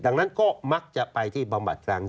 ดังนั้นก็มักจะไปที่บำบัดรัง